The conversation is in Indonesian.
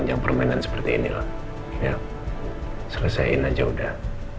ya selesain aja udah